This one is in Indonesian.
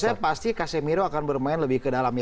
kalau saya pasti casemiro akan bermain lebih ke dalam